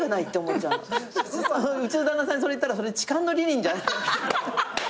うちの旦那さんにそれ言ったら「それ痴漢の理念じゃん」